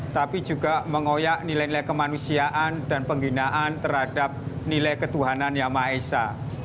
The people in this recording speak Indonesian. tapi juga mengoyak nilai nilai kemanusiaan dan penggunaan terhadap nilai ketuhanan yang mahesa